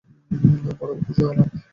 বড়ো খুশি হলেম।